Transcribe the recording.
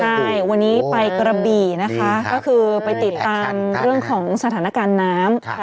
ใช่วันนี้ไปกระบี่นะคะก็คือไปติดตามเรื่องของสถานการณ์น้ำ